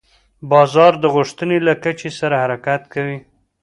بازار د غوښتنې له کچې سره حرکت کوي.